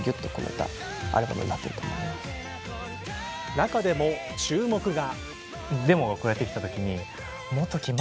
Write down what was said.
中でも注目が。